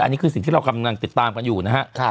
อันนี้คือสิ่งที่เรากำลังติดตามกันอยู่นะครับ